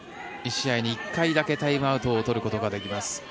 １試合に１回だけタイムアウトを取ることができます。